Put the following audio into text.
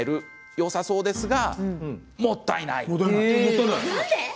よさそうですがもったいない！